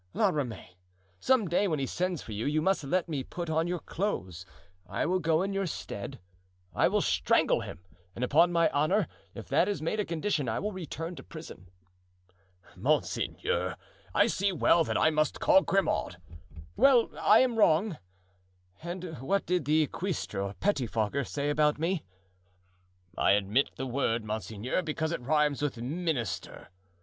La Ramee, some day when he sends for you, you must let me put on your clothes; I will go in your stead; I will strangle him, and upon my honor, if that is made a condition I will return to prison." "Monseigneur, I see well that I must call Grimaud." "Well, I am wrong. And what did the cuistre [pettifogger] say about me?" "I admit the word, monseigneur, because it rhymes with ministre [minister].